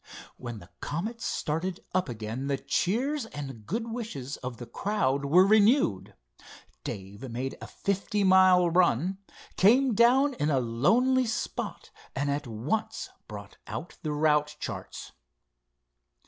When the Comet started up again the cheers and good wishes of the crowd were renewed. Dave made a fifty mile run, came down in a lonely spot, and at once brought out the route charts.